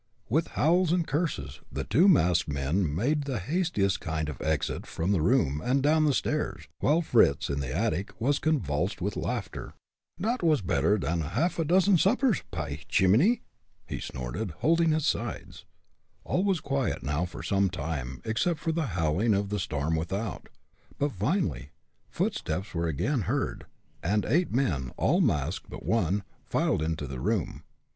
With howls and curses, the two masked men made the hastiest kind of an exit from the room and down the stairs, while Fritz in the attic was convulsed with laughter. "Dot was better as half a dozen suppers, py shimminy!" he snorted, holding his sides. All was now quiet for some time, except for the howling of the storm without. But, finally, footsteps were again heard, and eight men, all masked but one, filed into the room.